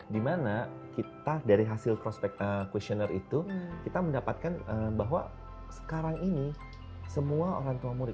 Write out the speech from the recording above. di mana kita dari hasil questionnaire itu kita mendapatkan bahwa sekarang ini